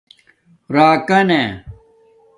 راکا نا